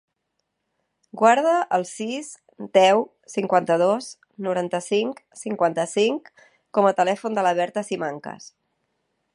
Guarda el sis, deu, cinquanta-dos, noranta-cinc, cinquanta-cinc com a telèfon de la Berta Simancas.